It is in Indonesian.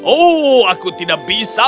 oh aku tidak bisa